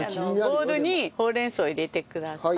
ボウルにほうれん草を入れてください。